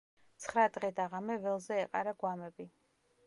ცხრა დღე და ღამე ველზე ეყარა გვამები.